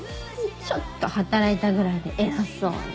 ちょっと働いたぐらいで偉そうに。